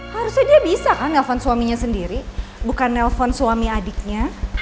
harusnya dia bisa kan nelfon suaminya sendiri bukan nelpon suami adiknya